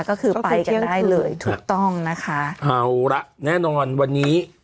ก็คือไปกันได้เลยถูกต้องนะคะเอาละแน่นอนวันนี้